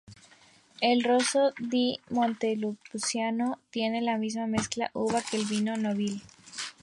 El Rosso di Montepulciano tiene la misma mezcla uva que el Vino Nobile.